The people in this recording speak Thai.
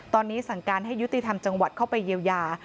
ตอนนี้สั่งการให้ยุติธรรมจังหวัดเข้าไปเยียวยา